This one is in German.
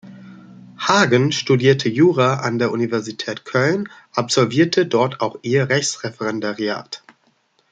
Hagen studierte Jura an der Universität Köln, absolvierte dort auch ihr Rechtsreferendariat.